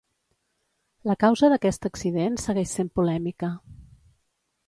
La causa d"aquest accident segueix sent polèmica.